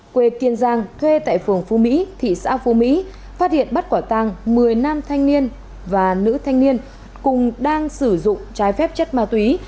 quê kiên giang thuê tại phường phú mỹ thị xã phú mỹ phát hiện bắt quả tàng một mươi nam thanh niên và nữ thanh niên cùng đang sử dụng trái phép chất ma túy